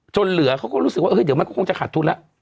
เหลือเขาก็รู้สึกว่าเดี๋ยวมันก็คงจะขาดทุนแล้ว